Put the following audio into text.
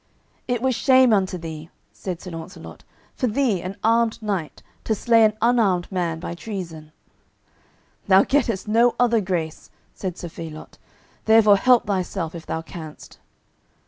"It were shame unto thee," said Sir Launcelot, "for thee, an armed knight, to slay an unarmed man by treason." "Thou gettest no other grace," said Sir Phelot; "therefore help thyself if thou canst."